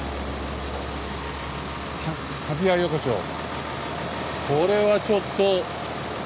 これはちょっと。